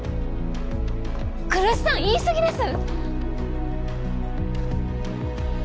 来栖さん言い過ぎです！